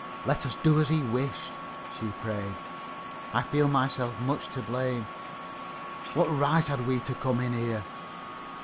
"Let us do as he wished," she prayed. "I feel myself much to blame. What right had we to come in here?"